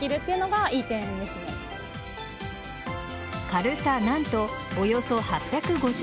軽さ何とおよそ８５０ｇ。